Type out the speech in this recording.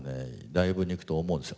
ライブに行くと思うんです。